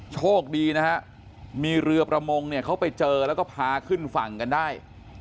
โชคดีนะฮะมีเรือประมงเนี่ยเขาไปเจอแล้วก็พาขึ้นฝั่งกันได้